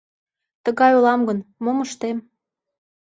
— Тыгай улам гын, мом ыштем.